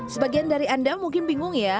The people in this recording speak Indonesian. sebagian dari anda mungkin bingung ya